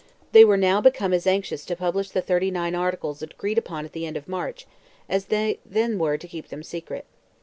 They were now become as anxious to publish the Thirty Articles agreed upon at the end of March, as they then were to keep them secret.